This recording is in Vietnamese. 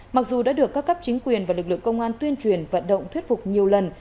mặc dù đã được các cấp chính quyền và lực lượng công an tuyên truyền vận động thuyết phục nhiều lần